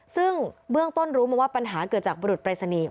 ซึ่งเบื้องต้นรู้มาว่าปัญหาเกิดจากบรุษปรายศนีย์